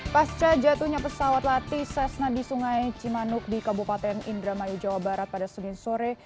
pasca jatuhnya pesawat latih sesna di sungai cimanuk di kabupaten indramayu jawa barat pada senin sore